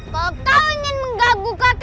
kalo kau ingin mempengaruhi kakakku